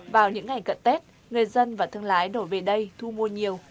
vào những ngày cận tết người dân và thương lái đổ về đây thu mua nhiều